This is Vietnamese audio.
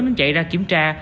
đến chạy ra kiểm tra